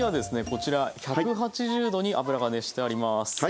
こちら１８０℃に油が熱してあります。